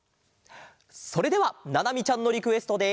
それではななみちゃんのリクエストで。